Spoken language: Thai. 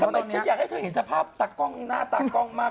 ฉันอยากให้เธอเห็นสภาพตากล้องหน้าตากล้องมาก